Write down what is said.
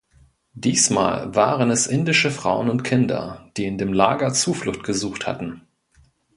Diesmal waren es indische Frauen und Kinder, die in dem Lager Zuflucht gesucht hatten.